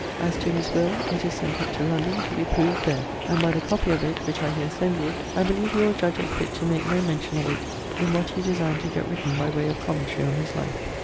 As to his will, it is sent up to London to be proved there, and by the copy of it, which I here send you, I beleeve you will judge it fitt to make no mention of it inwhat you designe to get written by way of Commentary on his life.